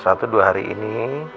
satu dua hari ini